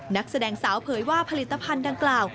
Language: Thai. นักแสดงสาวเผยว่าผลิตภัณฑ์ดังกล่าว